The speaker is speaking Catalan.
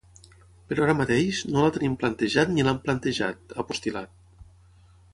“Però ara mateix, no la tenim plantejat ni l’hem plantejat”, ha postil·lat.